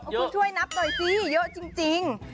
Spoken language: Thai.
คุณช่วยนับหน่อยสิเยอะจริง